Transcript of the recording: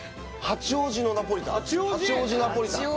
八王子ナポリタン